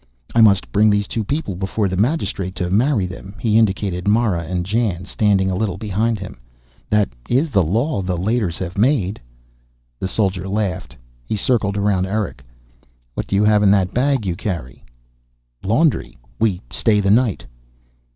"I must bring these two people before the magistrate to marry them." He indicated Mara and Jan, standing a little behind him. "That is the Law the Leiters have made." The soldier laughed. He circled around Erick. "What do you have in that bag you carry?" "Laundry. We stay the night."